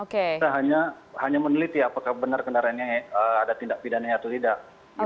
kita hanya meneliti apakah benar kendaraannya ada tindak pidananya atau tidak